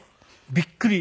びっくり。